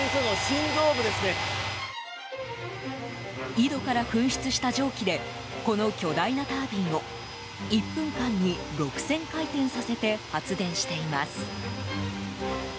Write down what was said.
井戸から噴出した蒸気でこの巨大なタービンを１分間に６０００回転させて発電しています。